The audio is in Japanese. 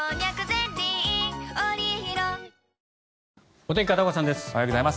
お天気、片岡さんです。